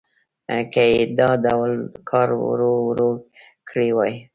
که یې دا ډول کار ورو ورو کړی وای.